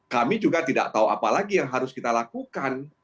kami juga tidak tahu apa lagi yang harus kita lakukan